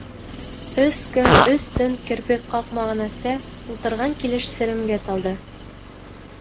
Өс көн, өс төн керпек ҡаҡмаған әсә ултырған килеш серемгә талды.